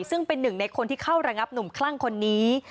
ซึ่งเป็นหนึ่งในคนที่เข้าระงับหนุ่มคลั่งคนนี้